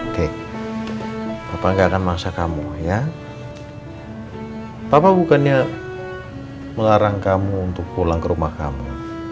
oke bapak tidak akan mengaksa kamu ya bapak bukannya melarang kamu untuk pulang ke rumah kamu